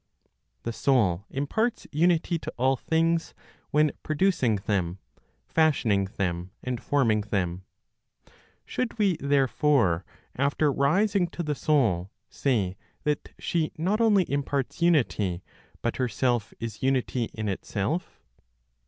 The soul imparts unity to all things when producing them, fashioning them, and forming them. Should we, therefore, after rising to the Soul, say that she not only imparts unity, but herself is unity in itself?